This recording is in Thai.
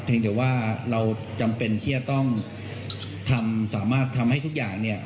แต่ว่าเราจำเป็นที่จะต้องทำสามารถทำให้ทุกอย่างเนี่ย